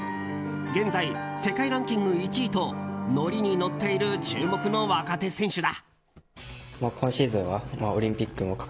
現在、世界ランキング１位と乗りに乗っている注目の若手選手だ。